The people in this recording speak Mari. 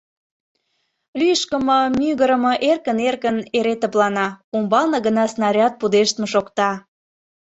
Лӱшкымӧ, мӱгырымӧ эркын-эркын эре тыплана, умбалне гына снаряд пудештме шокта...